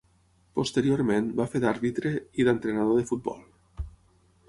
Posteriorment va fer d'àrbitre i d'entrenador de futbol.